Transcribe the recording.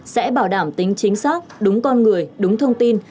sẽ bảo đảm tính chính xác đúng con người đúng thông tin